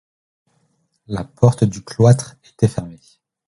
La porte du cloître était fermée.